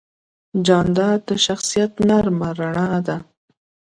جانداد د شخصیت نرمه رڼا لري.